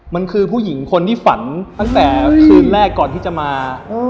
มันคือผู้หญิงคนที่ฝันตั้งแต่คืนแรกก่อนที่จะมา